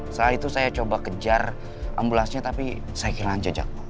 setelah itu saya coba kejar ambulansnya tapi saya kehilangan jejak